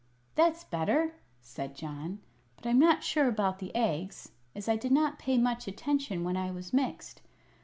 "That's better," said John, "but I'm not sure about the eggs, as I did not pay much attention when I was mixed.